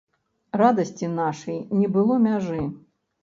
Радасці нашай не было мяжы.